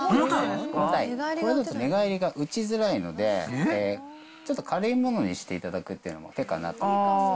これだけ寝返りが打ちづらいので、ちょっと軽いものにしていただくというのも手かなと思います。